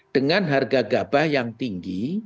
dengan harga gabah yang tinggi